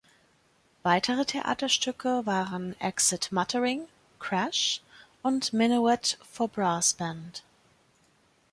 Weitere Theaterstücke waren „Exit Muttering“, „Crash“ und „Minuet for Brass Band“.